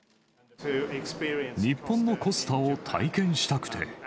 日本のコスタを体験したくて。